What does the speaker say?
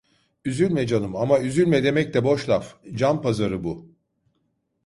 Üzülme canım, ama üzülme demek de boş laf, can pazarı bu.